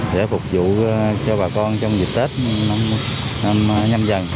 để phục vụ cho bà con trong dịch tết năm dần